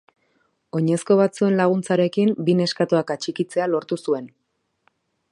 Oinezko batzuen laguntzarekin, bi neskatoak atxikitzea lortu zuen.